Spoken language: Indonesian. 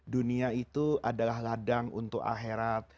dunia itu adalah ladang untuk akhirat